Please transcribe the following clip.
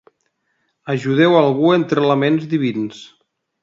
Ajudeu algú entre laments divins.